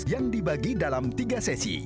yang dibagi dalam tiga sesi